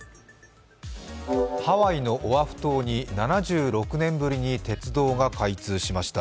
ハワイのオアフ島に７６年ぶりに鉄道が開通しました。